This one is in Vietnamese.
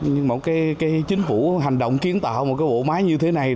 nhưng một cái chính phủ hành động kiến tạo một cái bộ máy như thế này